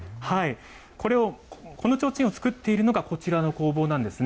これを、この提灯を作っているのが、こちらの工房なんですね。